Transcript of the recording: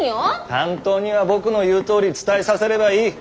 担当には僕の言うとおり伝えさせればいいッ。